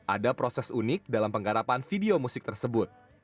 ada proses unik dalam penggarapan video musik tersebut